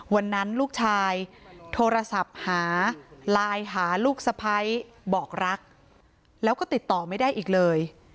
วันนั้นลูกชายโทรศัพท์หาไลน์หาลูกสะพ้ายบอกรักแล้วก็ติดต่อไม่ได้อีกเลย